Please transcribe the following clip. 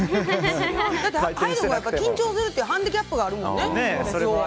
だって、勇人君は緊張するっていうハンデキャップがあるからね。